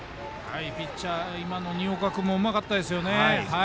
ピッチャー、今の新岡君もうまかったですよね。